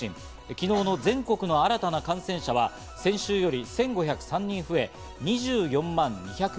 昨日の全国の新たな感染者は、先週より１５０３人増え、２４万２０５人。